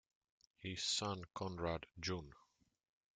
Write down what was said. His son Conrad jun.